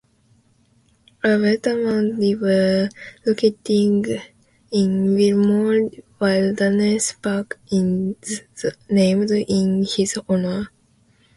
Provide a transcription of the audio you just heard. Alberta's Mount DeVeber, located in Willmore Wilderness Park, is named in his honour.